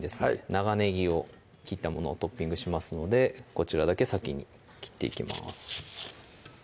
長ねぎを切ったものをトッピングしますのでこちらだけ先に切っていきます